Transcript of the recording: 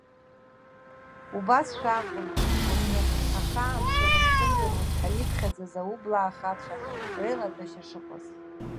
Убасшәа акәын, уажәы, ахаан шәара ззымдыруаз ҳәа иԥхьаӡаз аублаа хацәа реилатәашьа шыҟаз.